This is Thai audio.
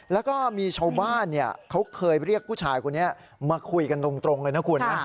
แล้วก็มีชาวบ้านเขาเคยเรียกผู้ชายคนนี้มาคุยกันตรงเลยนะคุณนะ